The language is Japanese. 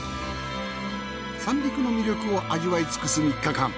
三陸の魅力を味わい尽くす３日間。